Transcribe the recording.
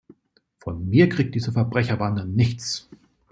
Von mir kriegt diese Verbrecherbande nichts!